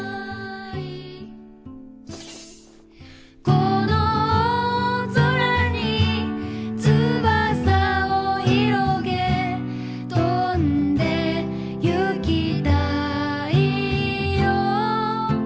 「この大空に翼をひろげ」「飛んで行きたいよ」